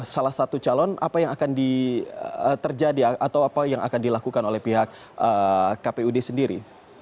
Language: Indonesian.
salah satu calon apa yang akan terjadi atau apa yang akan dilakukan oleh pihak kpud sendiri